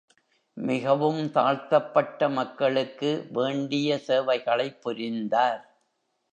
மிகவும் தாழ்த்தப்பட்ட மக்களுக்கு வேண்டிய சேவைகளைப் புரிந்தார்.